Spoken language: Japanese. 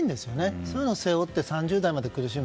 そういうのを背負って３０代まで苦しむ。